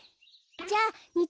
じゃあにち